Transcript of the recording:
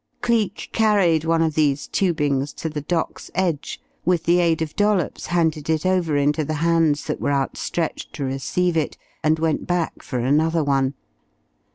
Cleek carried one of these tubings to the dock's edge, with the aid of Dollops handed it over into the hands that were outstretched to receive it, and went back for another one.